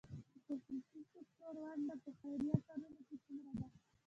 د خصوصي سکتور ونډه په خیریه کارونو کې څومره ده؟